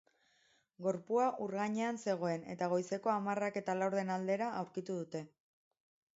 Gorpua ur gainean zegoen eta goizeko hamarrak eta laurden aldera aurkitu dute.